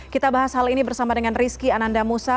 kita bahas hal ini bersama dengan rizky anandamusa